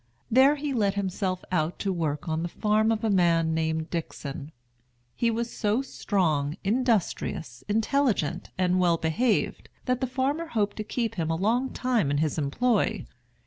There he let himself out to work on the farm of a man named Dickson. He was so strong, industrious, intelligent, and well behaved, that the farmer hoped to keep him a long time in his employ.